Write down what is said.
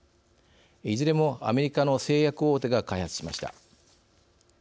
いずれもアメリカの製薬大手が開発しました。